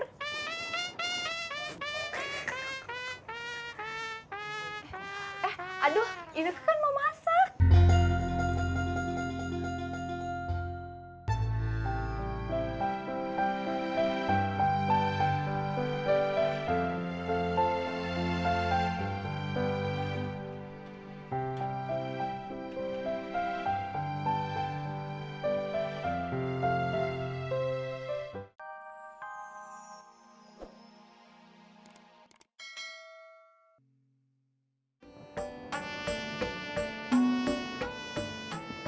eh aduh ineke kan mau masak